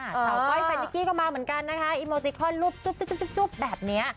โค้ยแฟนนิกกี้ก็มาเหมือนกันนะคะรูปจุ๊บจุ๊บจุ๊บแบบเนี่ย